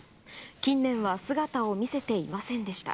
近年は姿を見せていませんでした。